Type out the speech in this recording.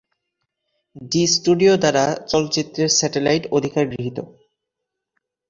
জী স্টুডিও দ্বারা চলচ্চিত্রের স্যাটেলাইট অধিকার গৃহীত।